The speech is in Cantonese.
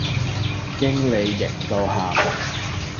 經理型到喊